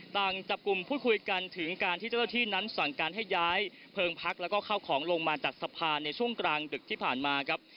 ต่างจับกลุ่มพูดคุยกันถึงการที่เจ้าหน้าที่นั้นสั่งการให้ย้ายเพลิงพักแล้วก็เข้าของลงมาจากสะพานในช่วงกลางดึกที่ผ่านมาครับ